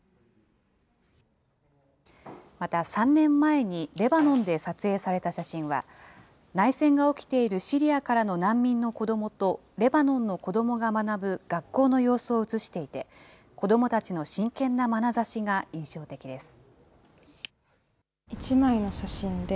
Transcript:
また、３年前にレバノンで撮影された写真は、内戦が起きているシリアからの難民の子どもと、レバノンの子どもが学ぶ学校の様子を写していて、子どもたちの真剣なまなざしが印象的です。